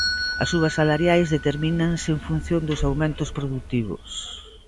As subas salariais determínanse en función dos aumentos produtivos